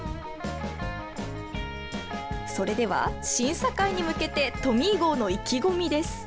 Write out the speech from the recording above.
それでは、審査会に向けてトミー号の意気込みです。